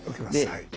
はい。